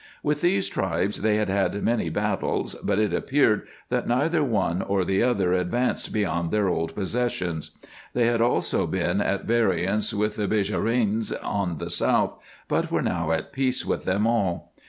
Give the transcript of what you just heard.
With these tribes they had had many battles, but it appeared, that neither one or the other advanced beyond their old possessions. They had also been at variance with the Bishareines on the south, but were now at peace with them all.